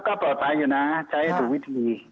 ก็ปลอดภัยอยู่นะใช้ถูกวิธี